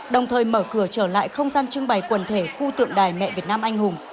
đồng thời mở cửa trở lại không gian trưng bày quần thể khu tượng đài mẹ việt nam anh hùng